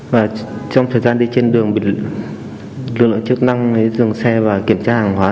và trong thời gian đi trên đường lượng chức năng dường xe và kiểm tra hàng hóa